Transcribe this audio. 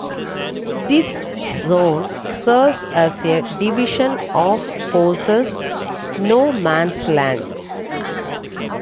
This zone serves as a division-of-forces no-man's land.